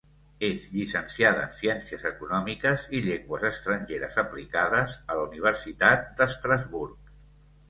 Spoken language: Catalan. És llicenciada en Ciències Econòmiques i Llengües Estrangeres Aplicades a la Universitat d'Estrasburg.